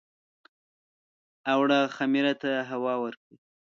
اوړه خمیر ته هوا ورکوي